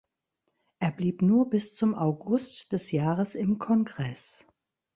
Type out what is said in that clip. Er blieb nur bis zum August des Jahres im Kongress.